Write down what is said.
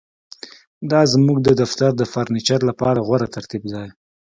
دا زموږ د دفتر د فرنیچر لپاره غوره ترتیب دی